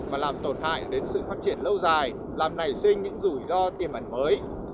mà làm tổn hại đến sự phát triển lâu dài làm nảy sinh những rủi ro tiềm ẩn mới